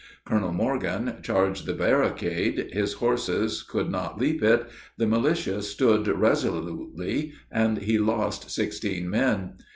Colonel Morgan charged the barricade, his horses could not leap it, the militia stood resolutely, and he lost sixteen men.